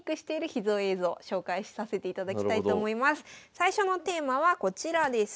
最初のテーマはこちらです。